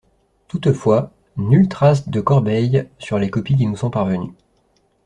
Toutefois, nulle trace de corbeille sur les copies qui nous sont parvenues.